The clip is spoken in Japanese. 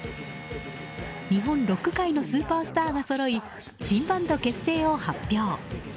日本ロック界のスーパースターがそろい新バンド結成を発表。